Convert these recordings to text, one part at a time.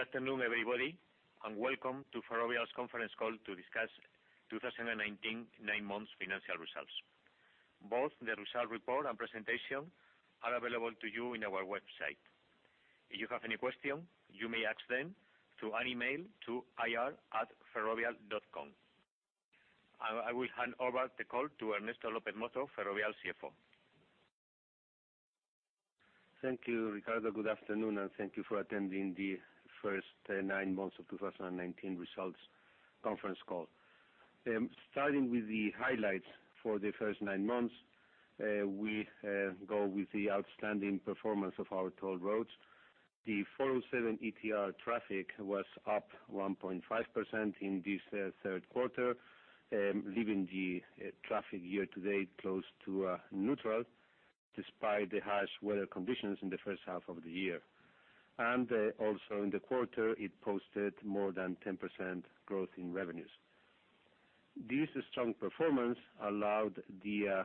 Good afternoon, everybody, and welcome to Ferrovial's conference call to discuss 2019 nine months financial results. Both the results report and presentation are available to you on our website. If you have any questions, you may ask them through an email to ir@ferrovial.com. I will hand over the call to Ernesto López Mozo, Ferrovial CFO. Thank you, Ricardo. Good afternoon, and thank you for attending the first nine months of 2019 results conference call. Starting with the highlights for the first nine months, we go with the outstanding performance of our toll roads. The 407 ETR traffic was up 1.5% in this third quarter, leaving the traffic year to date close to neutral, despite the harsh weather conditions in the first half of the year. Also in the quarter, it posted more than 10% growth in revenues. This strong performance allowed the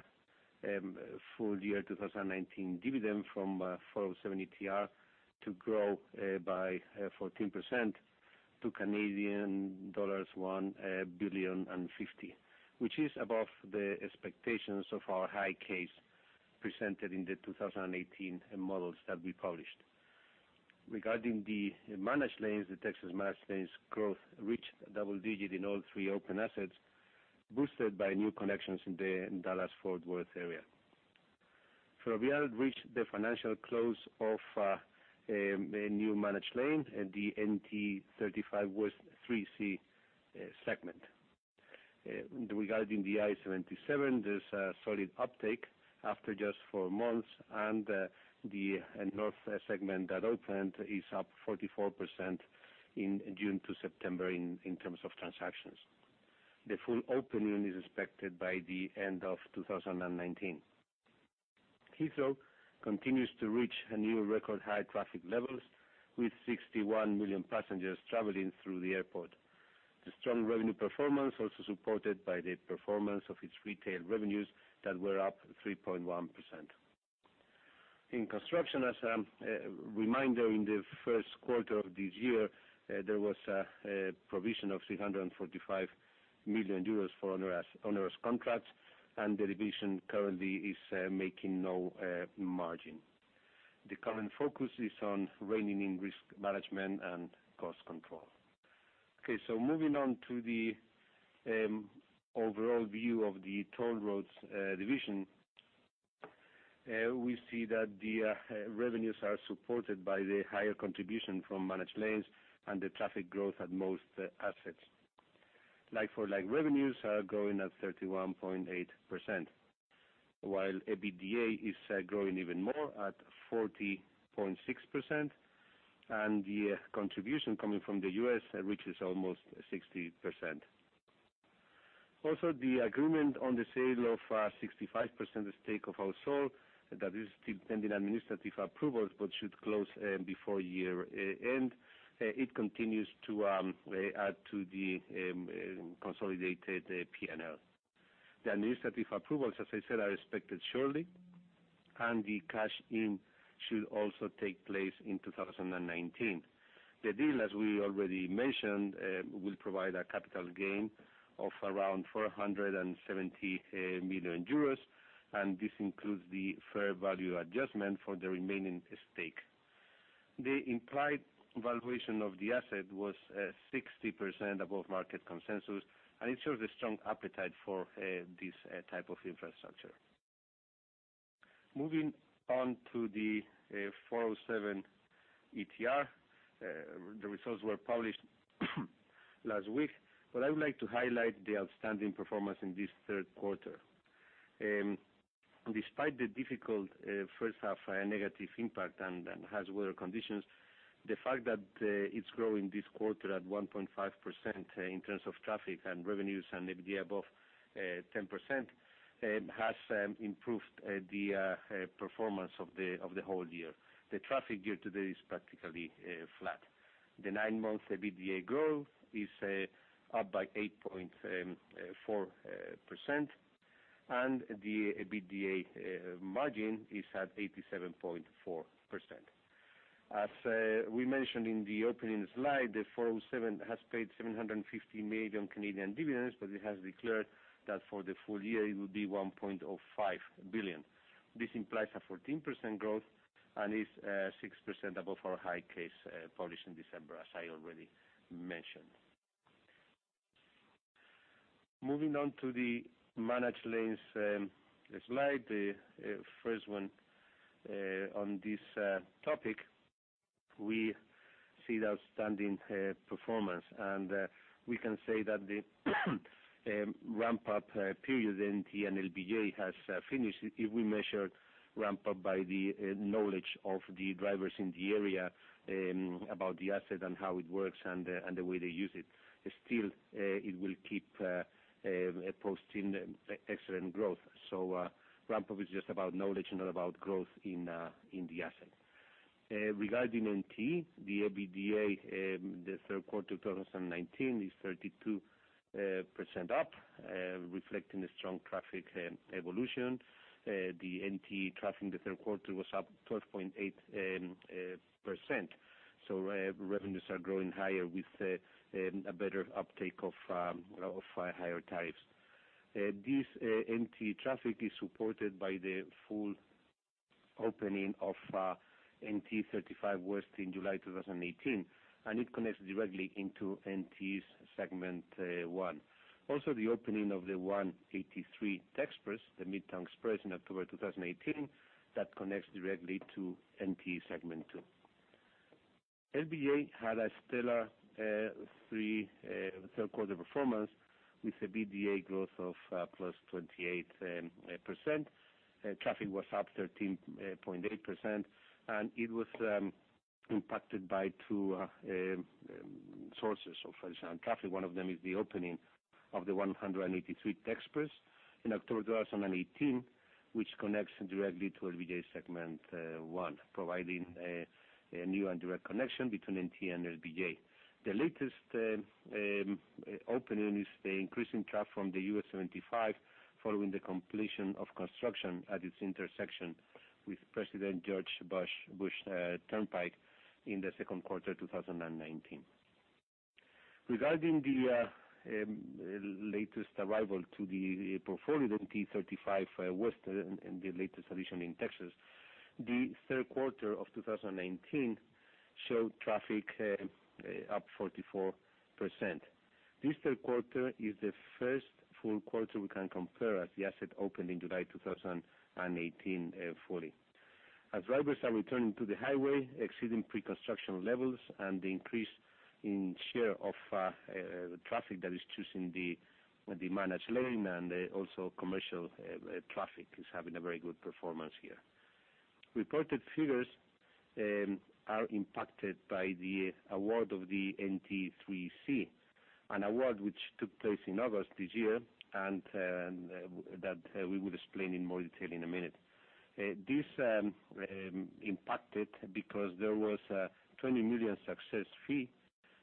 full year 2019 dividend from 407 ETR to grow by 14% to Canadian dollars 1.05 billion, which is above the expectations of our high case presented in the 2018 models that we published. Regarding the managed lanes, the Texas managed lanes growth reached double digits in all three open assets, boosted by new connections in the Dallas-Fort Worth area. Ferrovial reached the financial close of a new managed lane at the NTE 35W 3C segment. Regarding the I-77, there's a solid uptake after just four months, and the north segment that opened is up 44% in June to September in terms of transactions. The full opening is expected by the end of 2019. Heathrow continues to reach new record-high traffic levels, with 61 million passengers traveling through the airport. The strong revenue performance also supported by the performance of its retail revenues that were up 3.1%. In construction, as a reminder, in the first quarter of this year, there was a provision of 645 million euros for onerous contracts, and the division currently is making no margin. The current focus is on reining in risk management and cost control. Okay, moving on to the overall view of the toll roads division, we see that the revenues are supported by the higher contribution from managed lanes and the traffic growth at most assets. Like-for-like revenues are growing at 31.8%, while EBITDA is growing even more at 40.6%, and the contribution coming from the U.S. reaches almost 60%. Also, the agreement on the sale of a 65% stake of Ausol, that is still pending administrative approvals, but should close before year-end. It continues to add to the consolidated P&L. The administrative approvals, as I said, are expected shortly, and the cash in should also take place in 2019. The deal, as we already mentioned, will provide a capital gain of around 470 million euros, and this includes the fair value adjustment for the remaining stake. The implied valuation of the asset was 60% above market consensus. It shows a strong appetite for this type of infrastructure. Moving on to the 407 ETR. The results were published last week. I would like to highlight the outstanding performance in this third quarter. Despite the difficult first half, a negative impact and harsh weather conditions, the fact that it's growing this quarter at 1.5% in terms of traffic and revenues and EBITDA above 10% has improved the performance of the whole year. The traffic year to date is practically flat. The nine-month EBITDA growth is up by 8.4%. The EBITDA margin is at 87.4%. As we mentioned in the opening slide, the 407 has paid 750 million Canadian dividends. It has declared that for the full year, it would be 1.05 billion. This implies a 14% growth and is 6% above our high case published in December, as I already mentioned. Moving on to the managed lanes slide, the first one on this topic. We see the outstanding performance, and we can say that the ramp-up period NTE and LBJ has finished. If we measure ramp-up by the knowledge of the drivers in the area about the asset and how it works and the way they use it. Still, it will keep posting excellent growth. Ramp-up is just about knowledge, not about growth in the asset. Regarding NTE, the EBITDA in the third quarter 2019 is 32% up, reflecting a strong traffic evolution. The NTE traffic in the third quarter was up 12.8%, so revenues are growing higher with a better uptake of higher tariffs. This NTE traffic is supported by the full opening of NTE 35W in July 2018. It connects directly into NTE's segment 1. The opening of the 183 Express, the Midtown Express in October 2018, connects directly to NTE segment 2. LBJ had a stellar third quarter performance with EBITDA growth of +28%. Traffic was up 13.8%. It was impacted by two sources of additional traffic. One of them is the opening of the 183 Express in October 2018, which connects directly to LBJ segment 1, providing a new and direct connection between NTE and LBJ. The latest opening is the increasing traffic from the U.S. Route 75 following the completion of construction at its intersection with President George Bush Turnpike in the second quarter 2019. Regarding the latest arrival to the portfolio, NTE 35W and the latest addition in Texas, the third quarter of 2019 showed traffic up 44%. This third quarter is the first full quarter we can compare as the asset opened in July 2018 fully. As drivers are returning to the highway exceeding pre-construction levels, and the increase in share of traffic that is choosing the managed lane, and also commercial traffic is having a very good performance here. Reported figures are impacted by the award of the NTE 3C, an award which took place in August this year, and that we will explain in more detail in a minute. This impacted because there was a 20 million success fee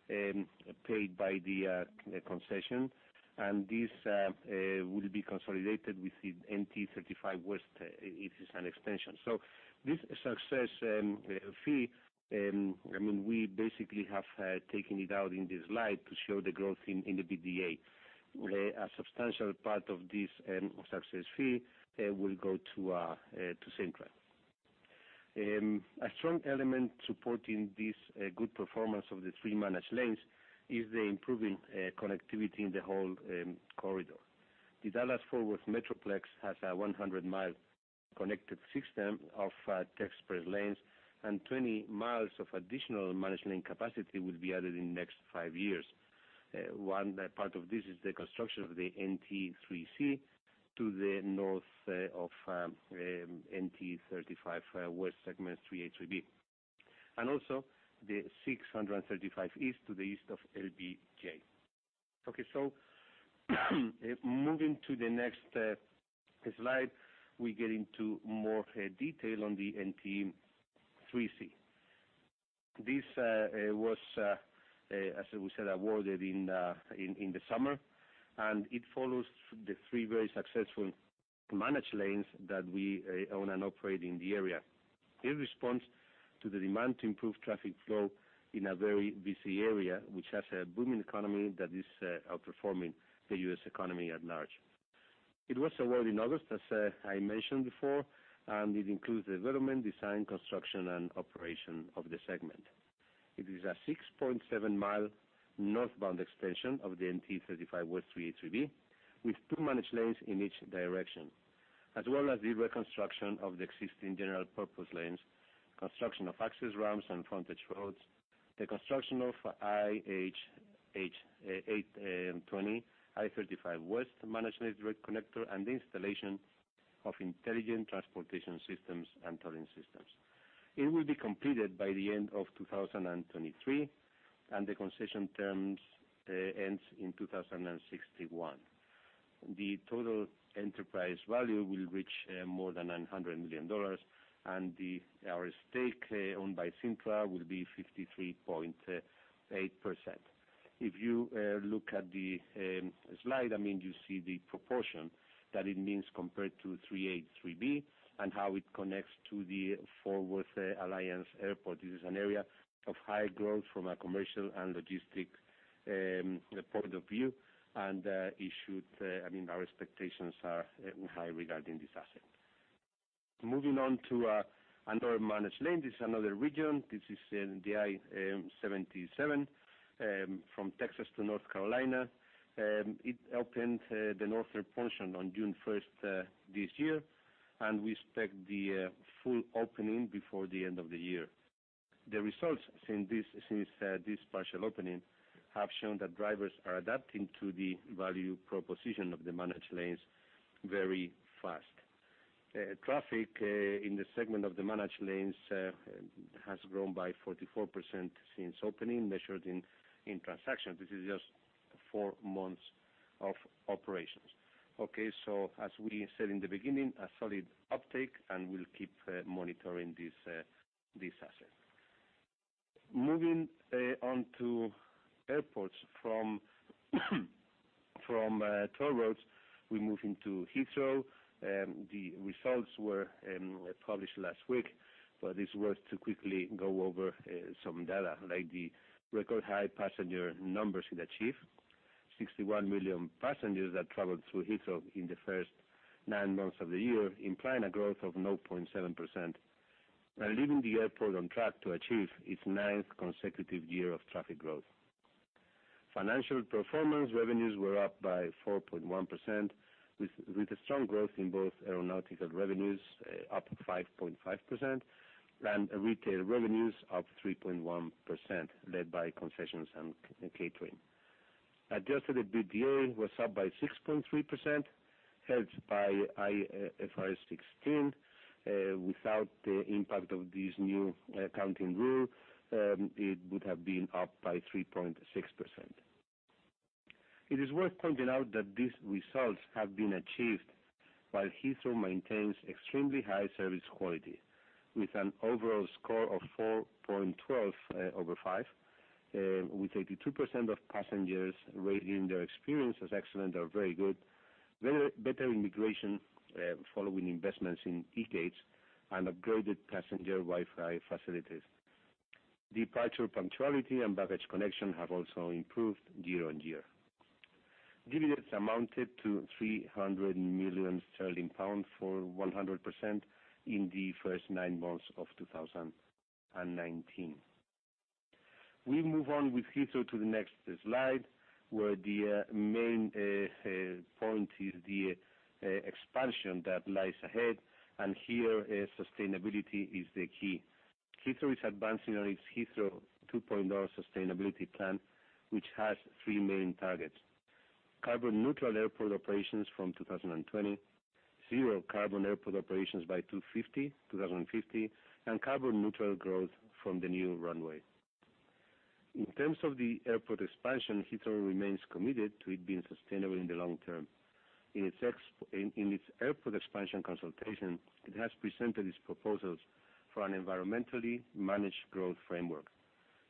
paid by the concession. This will be consolidated within NTE 35W. It is an extension. This success fee, we basically have taken it out in this slide to show the growth in the EBITDA. A substantial part of this success fee will go to Cintra. A strong element supporting this good performance of the three managed lanes is the improving connectivity in the whole corridor. The Dallas-Fort Worth metroplex has a 100-mile connected system of express lanes, and 20 miles of additional managed lane capacity will be added in the next five years. One part of this is the construction of the NTE 3C to the north of NTE 35W segments 3A/3B, and also the 635 East to the east of LBJ. Moving to the next slide, we get into more detail on the NTE 3C. This was, as we said, awarded in the summer, and it follows the three very successful managed lanes that we own and operate in the area. In response to the demand to improve traffic flow in a very busy area, which has a booming economy that is outperforming the U.S. economy at large. It was awarded in August, as I mentioned before, and it includes development, design, construction, and operation of the segment. It is a 6.7-mile northbound extension of the NTE 35W Segment 3B with two managed lanes in each direction, as well as the reconstruction of the existing general-purpose lanes, construction of access ramps and frontage roads, the construction of IH 820, Interstate 35W managed main direct connector, and the installation of intelligent transportation systems and tolling systems. It will be completed by the end of 2023, and the concession terms end in 2061. The total enterprise value will reach more than EUR 100 million, and our stake owned by Cintra will be 53.8%. If you look at the slide, you see the proportion that it means compared to 3B and how it connects to the Fort Worth Alliance Airport. This is an area of high growth from a commercial and logistic point of view, and our expectations are high regarding this asset. Moving on to another managed lane. This is another region. This is the I-77 from Texas to North Carolina. It opened the northern portion on June 1st this year, and we expect the full opening before the end of the year. The results since this partial opening have shown that drivers are adapting to the value proposition of the managed lanes very fast. Traffic in the segment of the managed lanes has grown by 44% since opening, measured in transactions. This is just four months of operations. Okay, as we said in the beginning, a solid uptake, and we'll keep monitoring this asset. Moving on to airports from toll roads, we're moving to Heathrow. The results were published last week, it's worth quickly going over some data, like the record high passenger numbers it achieved. 61 million passengers traveled through Heathrow in the first nine months of the year, implying a growth of 0.7%, leaving the airport on track to achieve its ninth consecutive year of traffic growth. Financial performance revenues were up by 4.1%, with strong growth in both aeronautical revenues, up 5.5%, and retail revenues up 3.1%, led by concessions and catering. Adjusted EBITDA was up by 6.3%, helped by IFRS 16. Without the impact of this new accounting rule, it would have been up by 3.6%. It is worth pointing out that these results have been achieved while Heathrow maintains extremely high service quality, with an overall score of 4.12 over 5, with 82% of passengers rating their experience as excellent or very good. Better immigration, following investments in e-gates, and upgraded passenger Wi-Fi facilities. Departure punctuality and baggage connection have also improved year-over-year. Dividends amounted to 300 million sterling for 100% in the first nine months of 2019. We move on with Heathrow to the next slide, where the main point is the expansion that lies ahead. Here, sustainability is the key. Heathrow is advancing on its Heathrow 2.0 sustainability plan, which has three main targets: carbon-neutral airport operations from 2020, zero carbon airport operations by 2050, and carbon-neutral growth from the new runway. In terms of the airport expansion, Heathrow remains committed to it being sustainable in the long term. In its airport expansion consultation, it has presented its proposals for an environmentally managed growth framework,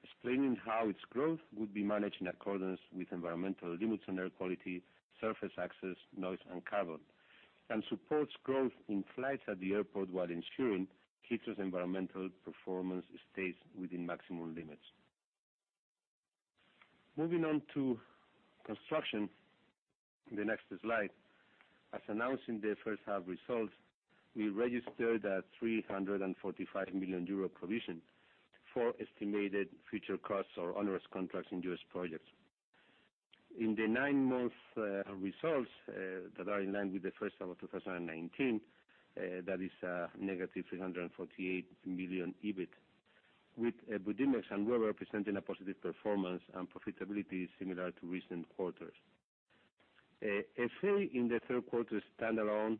explaining how its growth would be managed in accordance with environmental limits on air quality, surface access, noise and carbon, and supports growth in flights at the airport while ensuring Heathrow's environmental performance stays within maximum limits. Moving on to construction, the next slide. As announced in the first half results, we registered a 345 million euro provision for estimated future costs or onerous contracts in U.S. projects. In the nine-month results that are in line with the first half of 2019, that is a negative 348 million EBIT, with Budimex and Webber presenting a positive performance and profitability similar to recent quarters. SA in the third quarter standalone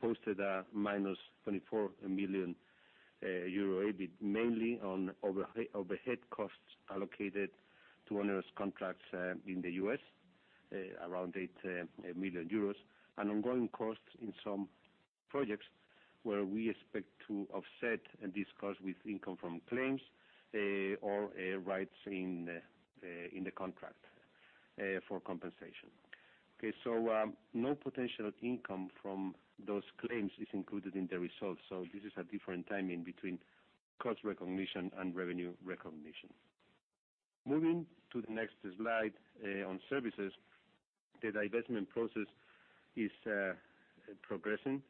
posted a minus 24 million euro EBIT, mainly on overhead costs allocated to onerous contracts in the U.S., around 8 million euros, and ongoing costs in some projects where we expect to offset these costs with income from claims or rights in the contract for compensation. No potential income from those claims is included in the results. This is a different timing between cost recognition and revenue recognition. Moving to the next slide on services. The divestment process is progressing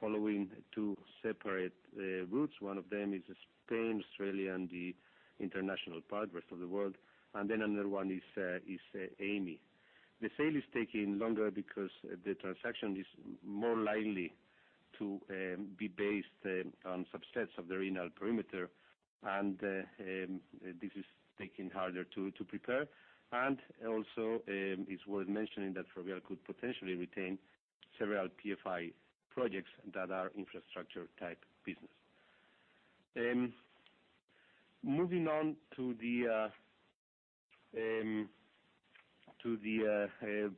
following two separate routes. One of them is Spain, Australia, and the international part, rest of the world. Another one is Amey. The sale is taking longer because the transaction is more likely to be based on subsets of the Ferrovial perimeter, and this is taking longer to prepare. Also, it's worth mentioning that Ferrovial could potentially retain several PFI projects that are infrastructure-type business. Moving on to the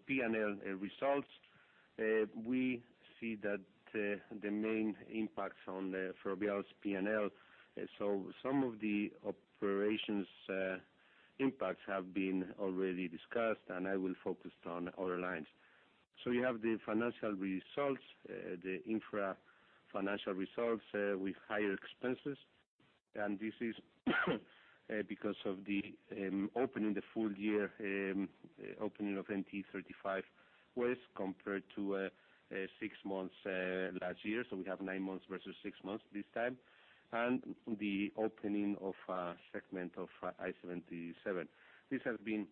P&L results. We see that the main impacts on Ferrovial's P&L. Some of the operations impacts have been already discussed, and I will focus on other lines. You have the financial results, the infra financial results with higher expenses, and this is because of the opening, the full year opening of NTE 35W compared to six months last year. We have nine months versus six months this time. The opening of a segment of I-77. This has been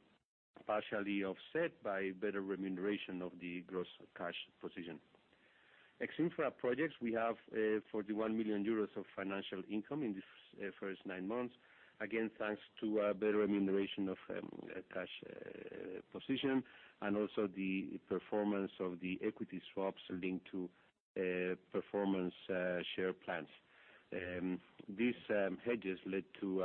partially offset by better remuneration of the gross cash position. Ex-infra projects, we have 41 million euros of financial income in the first nine months, again, thanks to better remuneration of cash position and also the performance of the equity swaps linked to performance share plans. These hedges led to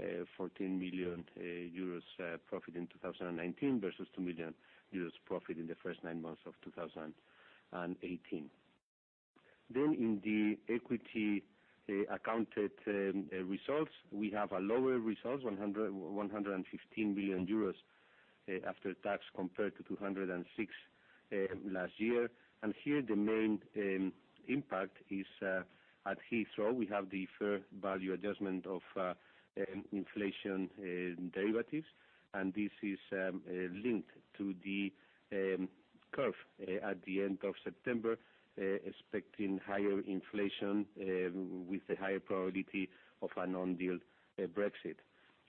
a 14 million euros profit in 2019 versus 2 million euros profit in the first nine months of 2018. In the equity accounted results, we have lower results, 115 billion euros after tax compared to 206 last year. Here, the main impact is at Heathrow. We have the fair value adjustment of inflation derivatives, this is linked to the curve at the end of September, expecting higher inflation with a higher probability of a non-deal Brexit.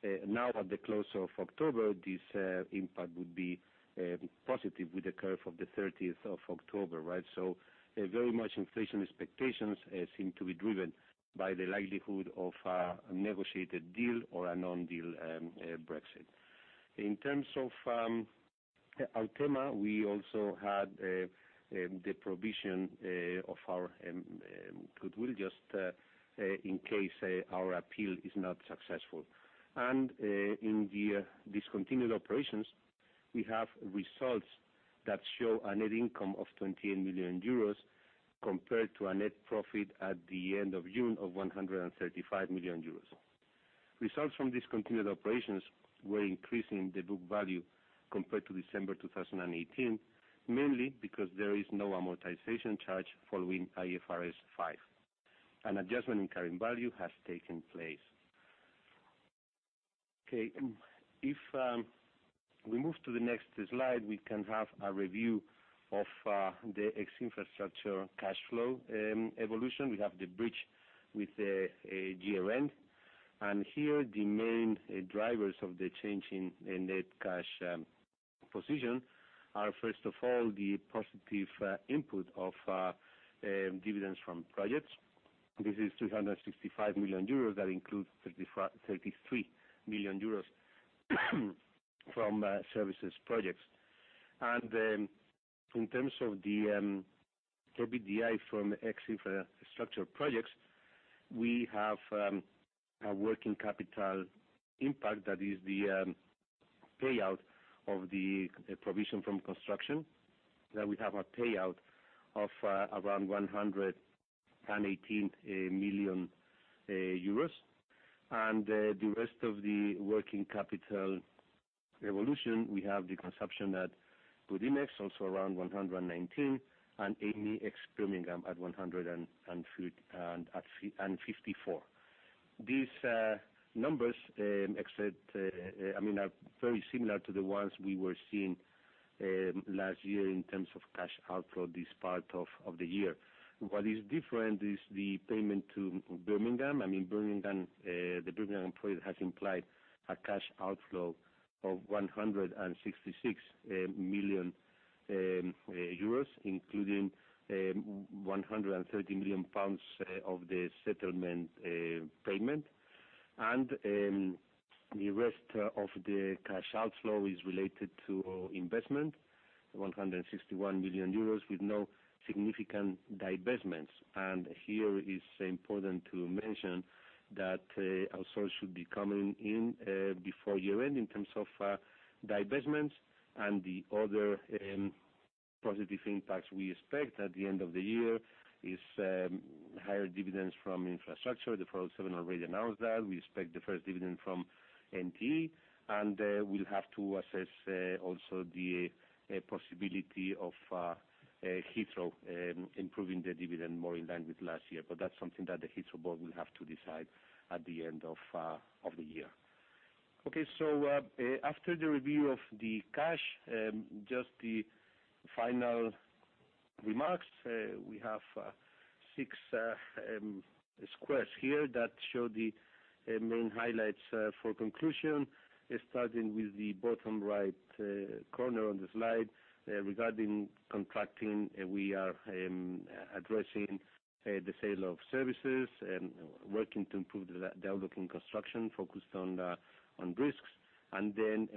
At the close of October, this impact would be positive with the curve of the 30th of October. Very much inflation expectations seem to be driven by the likelihood of a negotiated deal or a non-deal Brexit. In terms of Altima, we also had the provision of our goodwill, just in case our appeal is not successful. In the discontinued operations, we have results that show a net income of €28 million compared to a net profit at the end of June of €135 million. Results from discontinued operations were increasing the book value compared to December 2018, mainly because there is no amortization charge following IFRS 5. An adjustment in carrying value has taken place. Okay. If we move to the next slide, we can have a review of the ex-infrastructure cash flow evolution. We have the bridge with the year-end, and here the main drivers of the change in net cash position are, first of all, the positive input of dividends from projects. This is 365 million euros. That includes 33 million euros from services projects. In terms of the EBITDA from ex-infrastructure projects, we have a working capital impact. That is the payout of the provision from construction. There we have a payout of around 118 million euros. The rest of the working capital evolution, we have the consumption at Budimex, also around 119, and Amey Birmingham at 154. These numbers are very similar to the ones we were seeing last year in terms of cash outflow this part of the year. What is different is the payment to Birmingham. The Birmingham project has implied a cash outflow of 166 million euros, including 130 million pounds of the settlement payment. The rest of the cash outflow is related to investment, 161 million euros with no significant divestments. Here it is important to mention that also should be coming in before year-end in terms of divestments. The other positive impacts we expect at the end of the year is higher dividends from infrastructure. The 407 already announced that. We expect the first dividend from NTE, and we'll have to assess also the possibility of Heathrow improving the dividend more in line with last year. That's something that the Heathrow board will have to decide at the end of the year. After the review of the cash, just the final remarks. We have six squares here that show the main highlights for conclusion. Starting with the bottom right corner on the slide, regarding contracting, we are addressing the sale of services and working to improve the outlook in construction, focused on risks.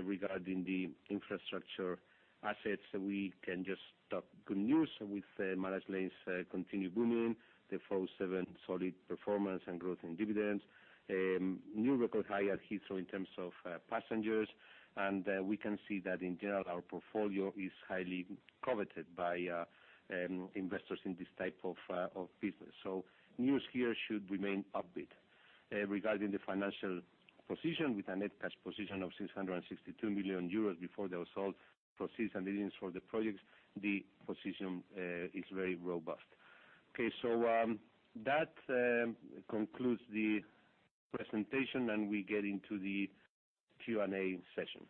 Regarding the infrastructure assets, we can just talk good news with managed lanes continue booming, the 407 solid performance and growth in dividends. New record high at Heathrow in terms of passengers. We can see that in general, our portfolio is highly coveted by investors in this type of business. News here should remain upbeat. Regarding the financial position, with a net cash position of 662 million euros before the result proceeds and dividends for the projects, the position is very robust. Okay. That concludes the presentation, and we get into the Q&A session.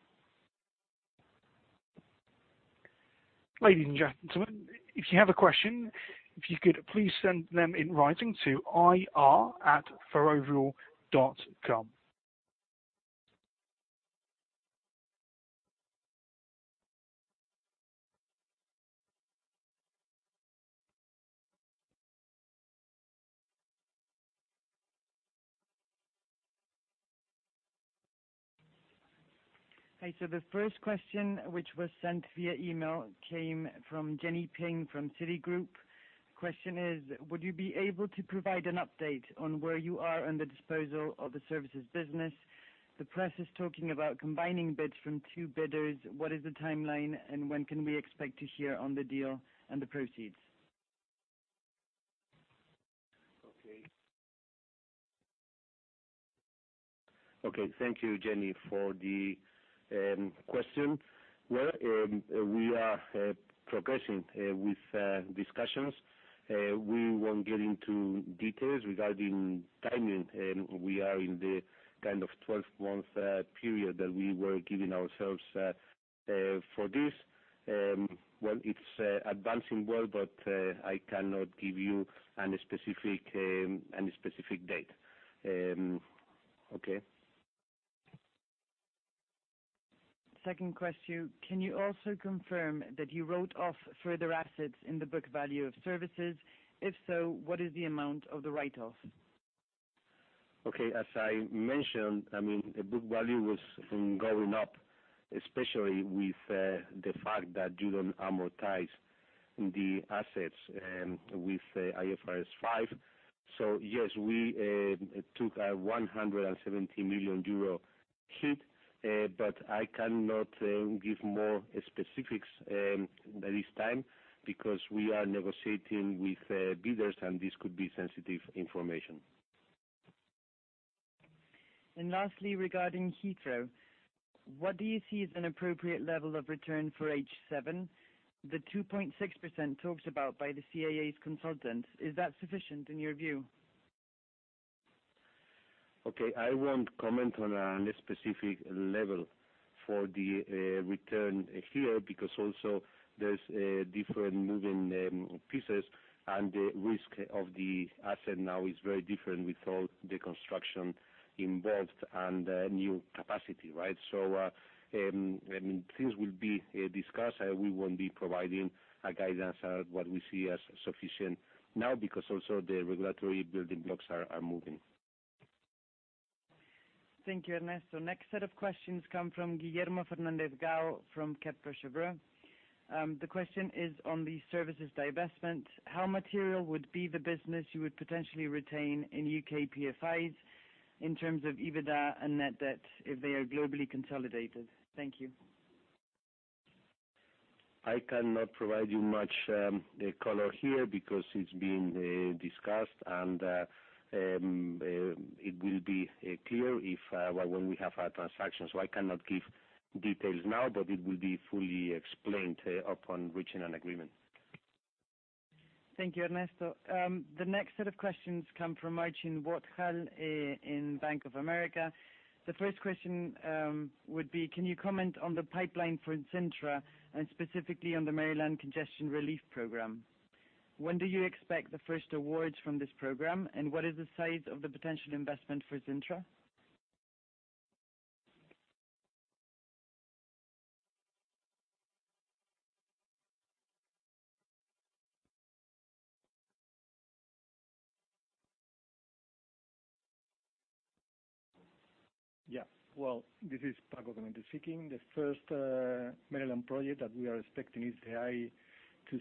Ladies and gentlemen, if you have a question, if you could please send them in writing to ir@ferrovial.com. Okay. The first question, which was sent via email, came from Jenny Ping from Citigroup. Question is, would you be able to provide an update on where you are on the disposal of the services business? The press is talking about combining bids from two bidders. What is the timeline, and when can we expect to hear on the deal and the proceeds? Okay. Thank you, Jenny, for the question. Well, we are progressing with discussions. We won't get into details regarding timing. We are in the kind of 12-month period that we were giving ourselves for this. Well, it's advancing well. I cannot give you any specific date. Okay? Second question, can you also confirm that you wrote off further assets in the book value of services? If so, what is the amount of the write-off? As I mentioned, the book value was going up, especially with the fact that you don't amortize the assets with IFRS 5. Yes, we took a 170 million euro hit, but I cannot give more specifics at this time because we are negotiating with bidders, and this could be sensitive information. Lastly, regarding Heathrow, what do you see as an appropriate level of return for H7? The 2.6% talked about by the CAA's consultants, is that sufficient in your view? Okay. I won't comment on a specific level for the return here, because also there's different moving pieces, and the risk of the asset now is very different with all the construction involved and new capacity, right? Things will be discussed. We won't be providing a guidance on what we see as sufficient now, because also the regulatory building blocks are moving. Thank you, Ernesto. Next set of questions come from Guillermo Fernández-Gao from Credit Suisse. The question is on the services divestment. How material would be the business you would potentially retain in U.K. PFIs in terms of EBITDA and net debt if they are globally consolidated? Thank you. I cannot provide you much color here because it is being discussed, and it will be clear when we have our transaction. I cannot give details now, but it will be fully explained upon reaching an agreement. Thank you, Ernesto. The next set of questions come from Maithri Borchers in Bank of America. The first question would be: Can you comment on the pipeline for Cintra, and specifically on the Maryland Congestion Relief Program? When do you expect the first awards from this program, and what is the size of the potential investment for Cintra? Well, this is Paco Gómez speaking. The first Maryland project that we are expecting is the I-270 South Maryland. We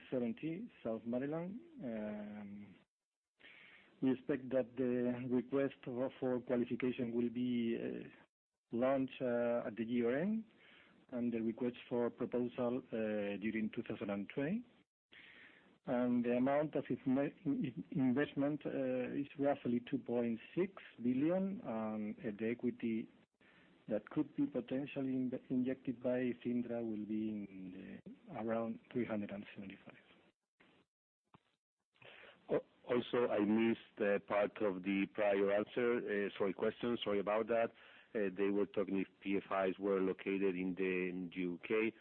expect that the request for qualification will be launched at the year-end, and the request for proposal during 2020. The amount of investment is roughly $2.6 billion, and the equity that could be potentially injected by Cintra will be around $375. Also, I missed part of the prior question. Sorry about that. They were talking if PFIs were located in the U.K.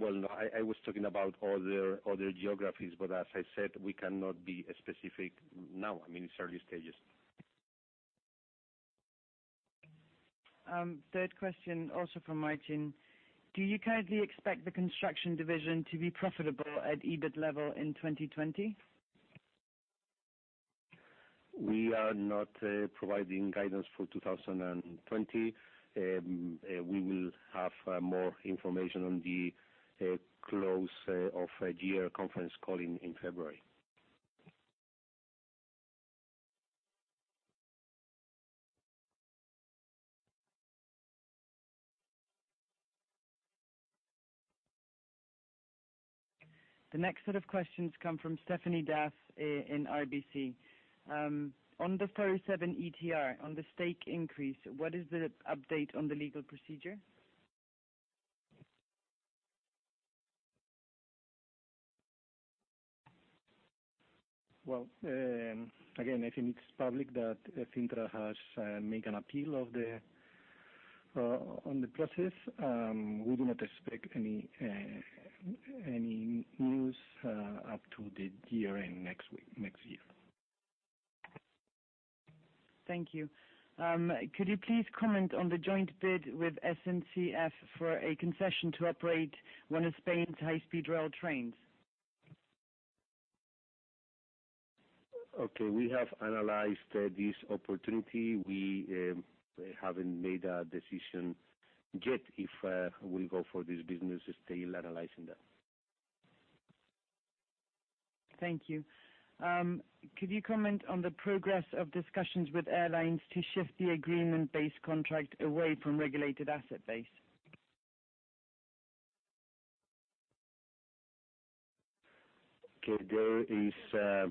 Well, no. I was talking about other geographies, but as I said, we cannot be specific now. It's early stages. Third question, also from Maithri. Do you currently expect the construction division to be profitable at EBIT level in 2020? We are not providing guidance for 2020. We will have more information on the close of year conference call in February. The next set of questions come from Stéphanie D'Ath in RBC. On the 407 ETR, on the stake increase, what is the update on the legal procedure? Well, again, I think it's public that Cintra has made an appeal on the process. We do not expect any news up to the year-end next year. Thank you. Could you please comment on the joint bid with SNCF for a concession to operate one of Spain's high-speed rail trains? Okay. We have analyzed this opportunity. We haven't made a decision yet if we'll go for this business, still analyzing that. Thank you. Could you comment on the progress of discussions with airlines to shift the agreement-based contract away from regulated asset base? There is the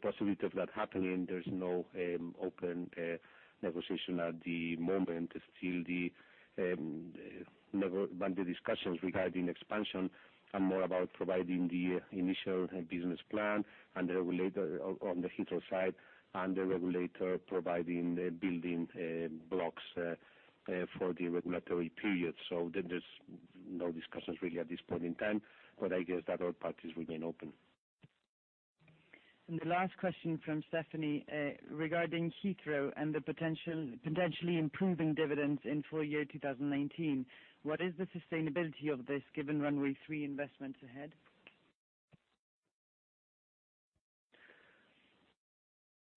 possibility of that happening. There's no open negotiation at the moment. Still, the discussions regarding expansion are more about providing the initial business plan on the Heathrow side and the regulator providing the building blocks for the regulatory period. There's no discussions really at this point in time, but I guess that door part is remain open. The last question from Stéphanie. Regarding Heathrow and the potentially improving dividends in full year 2019, what is the sustainability of this given Third Runway investments ahead?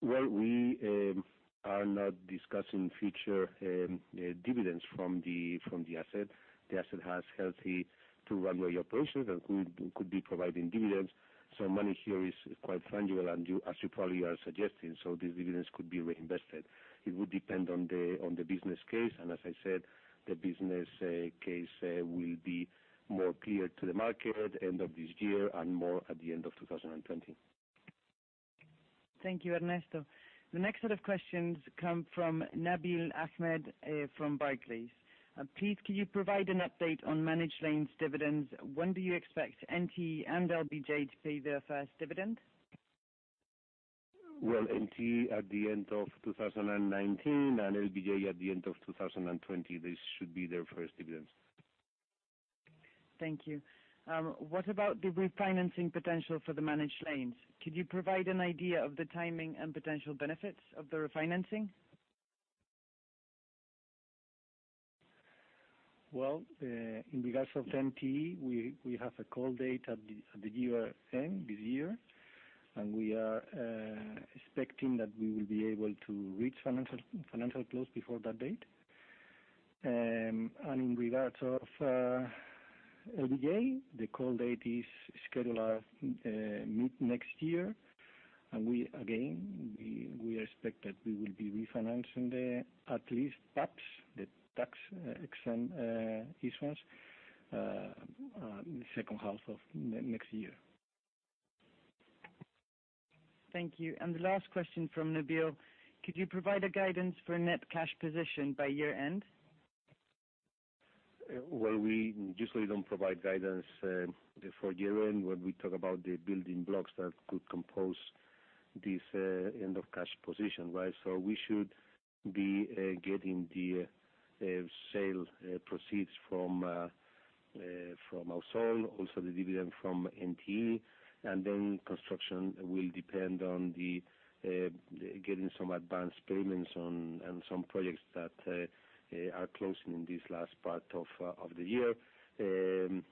Well, we are not discussing future dividends from the asset. The asset has healthy two-runway operations and could be providing dividends. Money here is quite tangible, as you probably are suggesting. This dividends could be reinvested. It would depend on the business case, and as I said, the business case will be more clear to the market end of this year and more at the end of 2020. Thank you, Ernesto. The next set of questions come from Nabil Ahmed from Barclays. Please, can you provide an update on managed lanes dividends? When do you expect NTE and LBJ to pay their first dividend? Well, NTE at the end of 2019 and LBJ at the end of 2020. This should be their first dividends. Thank you. What about the refinancing potential for the managed lanes? Could you provide an idea of the timing and potential benefits of the refinancing? In regards of NTE, we have a call date at the year end this year, and we are expecting that we will be able to reach financial close before that date. In regards of LBJ, the call date is scheduled mid next year, and we, again, we expect that we will be refinancing at least TAPS, the tax exemption issuance, second half of next year. Thank you. The last question from Nabil, could you provide a guidance for net cash position by year-end? Well, we usually don't provide guidance for year-end when we talk about the building blocks that could compose this end of cash position, right? We should be getting the sale proceeds from Ausol, also the dividend from NTE, and then construction will depend on the getting some advanced payments on some projects that are closing in this last part of the year.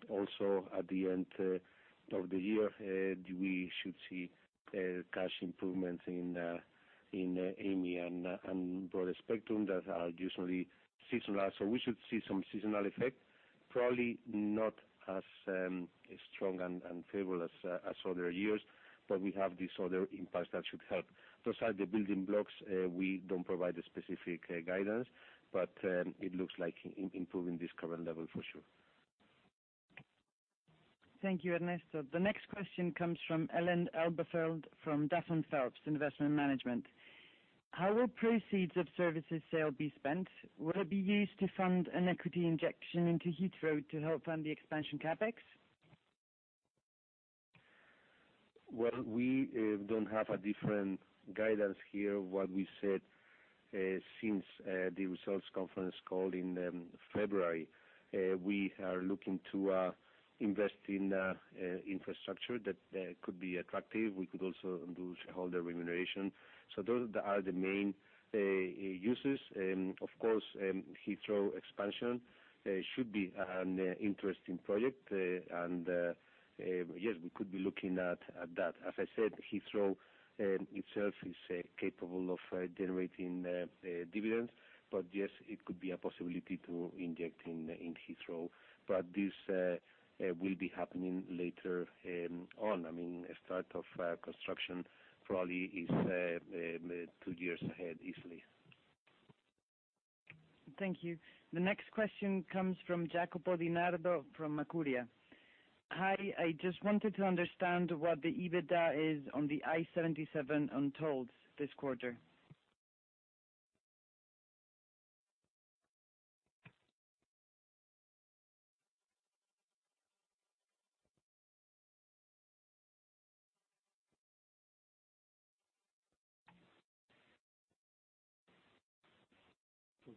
Also, at the end of the year, we should see cash improvements in Amey and Broadspectrum that are usually seasonal. We should see some seasonal effect, probably not as strong and favorable as other years, but we have these other impacts that should help. Those are the building blocks. We don't provide a specific guidance, but it looks like improving this current level for sure. Thank you, Ernesto. The next question comes from Ellen Elberfeld from Duff & Phelps Investment Management. How will proceeds of services sale be spent? Will it be used to fund an equity injection into Heathrow to help fund the expansion CapEx? Well, we don't have a different guidance here, what we said since the results conference call in February. We are looking to invest in infrastructure that could be attractive. We could also do shareholder remuneration. Those are the main uses. Of course, Heathrow expansion should be an interesting project, and yes, we could be looking at that. As I said, Heathrow itself is capable of generating dividends. Yes, it could be a possibility to inject in Heathrow. This will be happening later on. Start of construction probably is two years ahead, easily. Thank you. The next question comes from Jacopo Di Nardo from Macquarie. Hi, I just wanted to understand what the EBITDA is on the I-77 on tolls this quarter.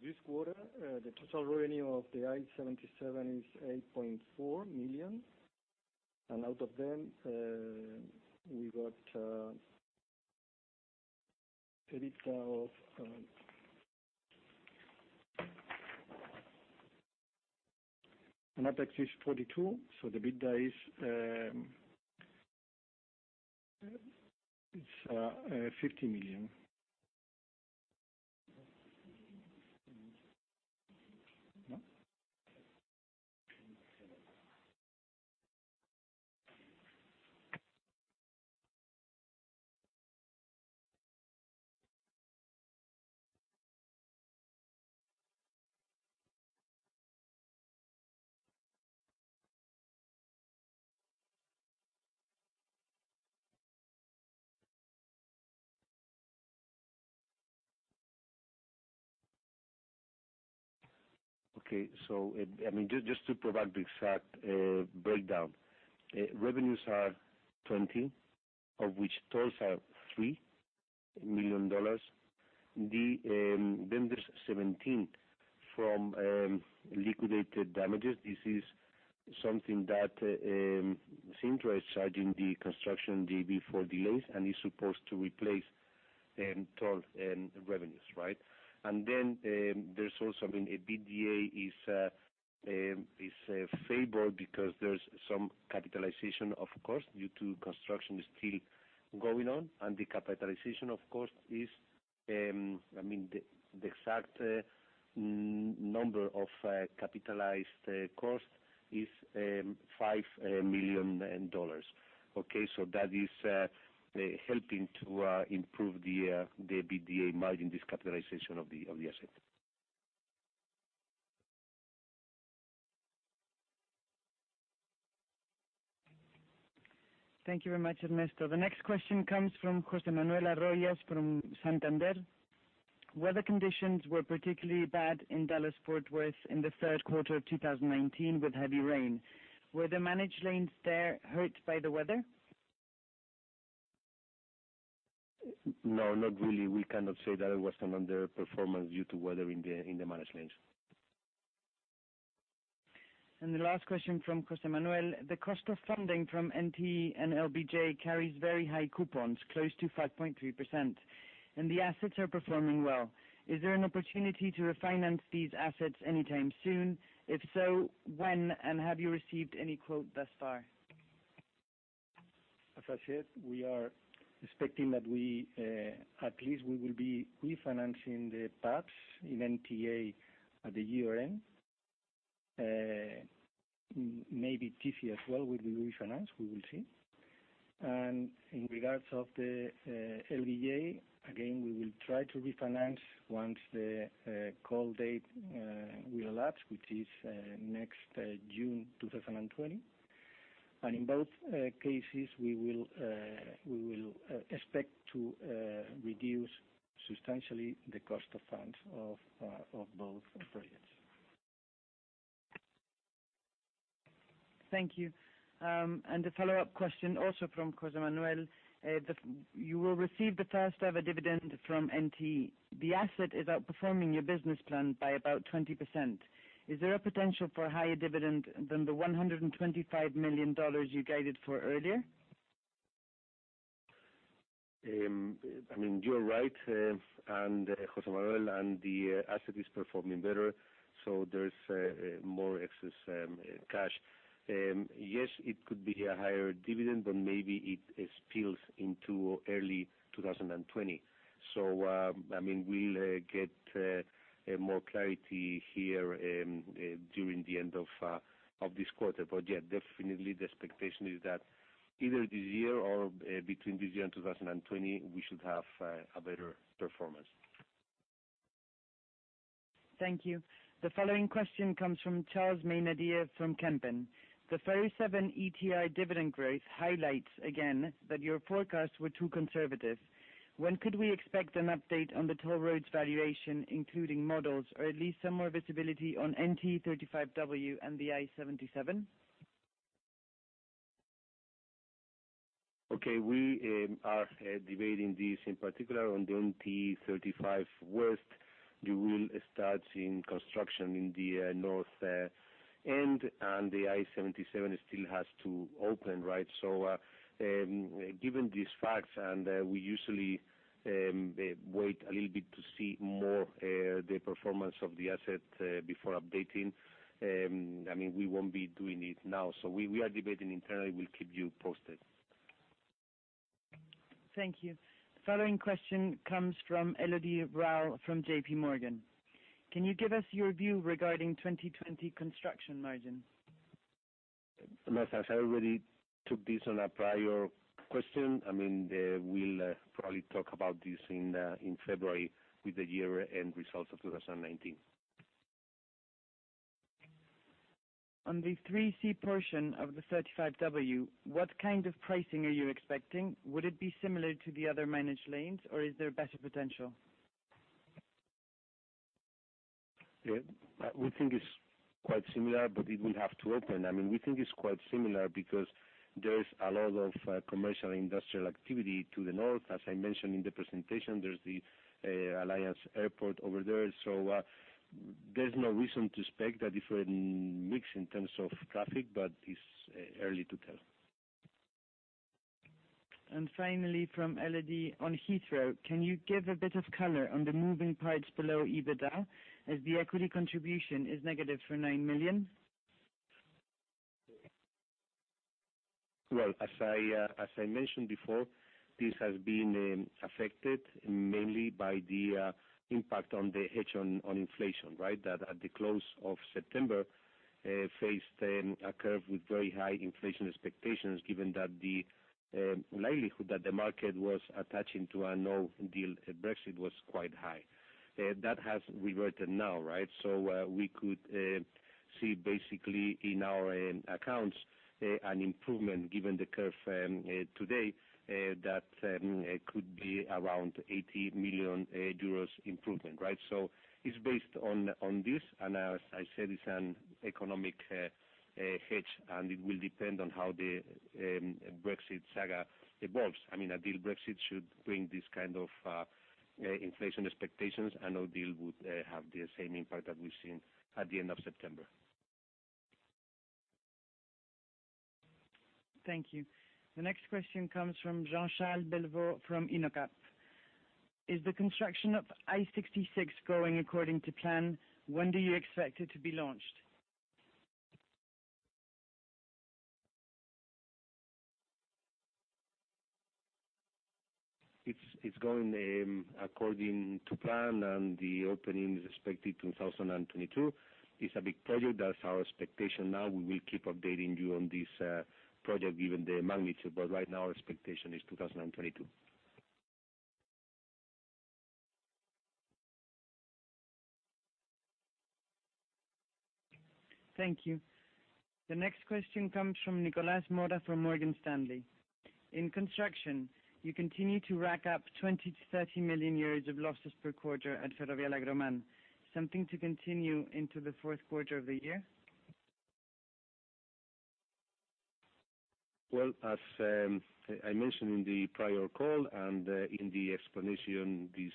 For this quarter, the total revenue of the I-77 is 8.4 million. Out of them, we got CapEx is EUR 42, the EBITDA is EUR 50 million. Okay. Just to provide the exact breakdown. Revenues are 20, of which tolls are EUR 3 million. There's 17 from liquidated damages. This is something that Cintra is charging the construction JV for delays, and is supposed to replace toll revenues. Right? There's also, EBITDA is favored because there's some capitalization, of course, due to construction still going on. The exact number of capitalized cost is EUR 5 million. Okay? That is helping to improve the EBITDA margin, this capitalization of the asset. Thank you very much, Ernesto. The next question comes from José Manuel Arroyo from Santander. Weather conditions were particularly bad in Dallas-Fort Worth in the third quarter of 2019, with heavy rain. Were the managed lanes there hurt by the weather? No, not really. We cannot say that it was an underperformance due to weather in the managed lanes. The last question from José Manuel. The cost of funding from NTE and LBJ Express carries very high coupons, close to 5.3%, and the assets are performing well. Is there an opportunity to refinance these assets anytime soon? If so, when, and have you received any quote thus far? As I said, we are expecting that at least we will be refinancing the PABs in NT at the year-end. Maybe 3C as well will be refinanced, we will see. In regards of the LBJ, again, we will try to refinance once the call date will lapse, which is next June 2020. In both cases, we will expect to reduce substantially the cost of funds of both projects. Thank you. The follow-up question, also from José Manuel. You will receive the first-ever dividend from NT. The asset is outperforming your business plan by about 20%. Is there a potential for a higher dividend than the $125 million you guided for earlier? You're right, José Manuel. The asset is performing better. There's more excess cash. Yes, it could be a higher dividend. Maybe it spills into early 2020. We'll get more clarity here during the end of this quarter. Yeah, definitely the expectation is that either this year or between this year and 2020, we should have a better performance. Thank you. The following question comes from Charles Meynadier from Kempen. The 407 ETR dividend growth highlights again that your forecasts were too conservative. When could we expect an update on the toll roads valuation, including models, or at least some more visibility on NTE 35W and the I-77? Okay. We are debating this in particular on the NTE 35W. We will start seeing construction in the north end, and the I-77 still has to open, right? Given these facts, and we usually wait a little bit to see more the performance of the asset before updating. We won't be doing it now. We are debating internally. We'll keep you posted. Thank you. Following question comes from Elodie Rall from JPMorgan. Can you give us your view regarding 2020 construction margins? As I already took this on a prior question, we'll probably talk about this in February with the year-end results of 2019. On the 3C portion of the 35W, what kind of pricing are you expecting? Would it be similar to the other managed lanes, or is there better potential? We think it's quite similar, but it will have to open. We think it's quite similar because there's a lot of commercial industrial activity to the north. As I mentioned in the presentation, there's the Alliance Airport over there. There's no reason to expect a different mix in terms of traffic, but it's early to tell. Finally, from Elodie on Heathrow, can you give a bit of color on the moving parts below EBITDA as the equity contribution is negative for 9 million? As I mentioned before, this has been affected mainly by the impact on the hedge on inflation. That at the close of September, faced a curve with very high inflation expectations, given that the likelihood that the market was attaching to a no-deal Brexit was quite high. That has reverted now. We could see, basically, in our accounts, an improvement given the curve today that could be around €80 million improvement. It's based on this, and as I said, it's an economic hedge, and it will depend on how the Brexit saga evolves. A deal Brexit should bring this kind of inflation expectations. A no-deal would have the same impact that we've seen at the end of September. Thank you. The next question comes from Jean-Charles Belleville from Innocap. Is the construction of I-66 going according to plan? When do you expect it to be launched? It's going according to plan. The opening is expected 2022. It's a big project. That's our expectation now. We will keep updating you on this project given the magnitude. Right now, our expectation is 2022. Thank you. The next question comes from Nicolas Mora from Morgan Stanley. In construction, you continue to rack up 20 million-30 million euros of losses per quarter at Ferrovial Agroman. Something to continue into the fourth quarter of the year? Well, as I mentioned in the prior call and in the explanation this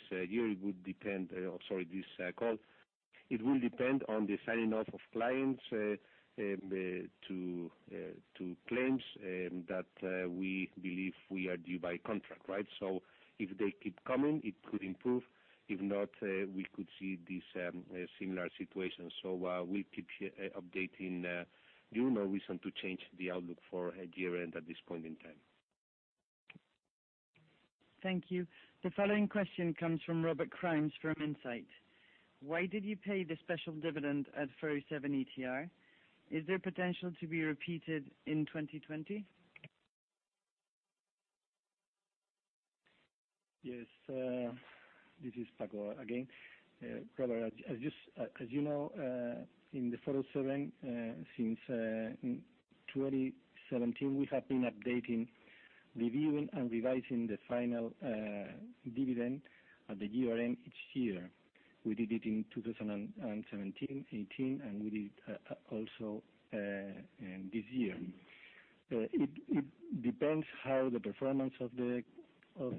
call, it will depend on the signing off of clients to claims that we believe we are due by contract. If they keep coming, it could improve. If not, we could see this similar situation. We'll keep updating. No reason to change the outlook for year-end at this point in time. Thank you. The following question comes from Robert Crimes from Insight. Why did you pay the special dividend at Ferrovial ETR? Is there potential to be repeated in 2020? Yes. This is Paco again. Robert, as you know, in Ferrovial, since 2017, we have been updating, reviewing, and revising the final dividend at the year-end each year. We did it in 2017, 2018, and we did also this year. It depends how the performance of the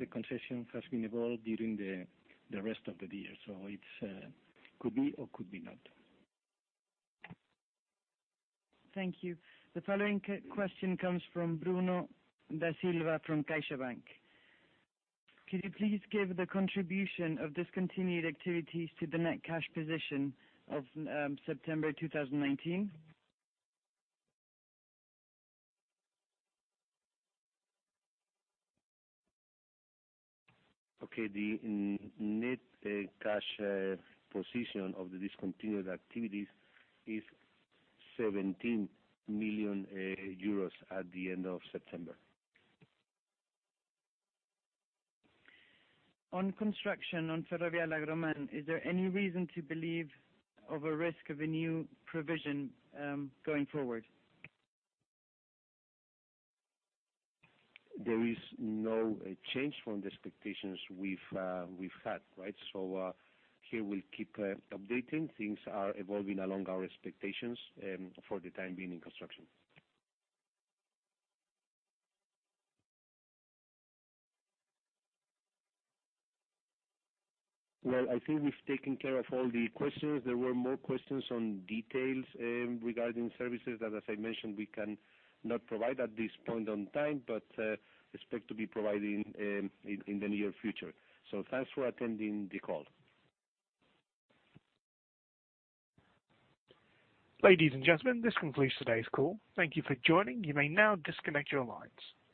concession has been evolved during the rest of the year. It could be or could be not. Thank you. The following question comes from Bruno Da Silva from CaixaBank. Could you please give the contribution of discontinued activities to the net cash position of September 2019? The net cash position of the discontinued activities is €17 million at the end of September. On construction on Ferrovial Agroman, is there any reason to believe of a risk of a new provision going forward? There is no change from the expectations we've had. Here we'll keep updating. Things are evolving along our expectations for the time being in construction. Well, I think we've taken care of all the questions. There were more questions on details regarding services that, as I mentioned, we cannot provide at this point on time, but expect to be providing in the near future. Thanks for attending the call. Ladies and gentlemen, this concludes today's call. Thank you for joining. You may now disconnect your lines.